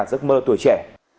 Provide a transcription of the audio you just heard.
là giấc mơ tuổi trẻ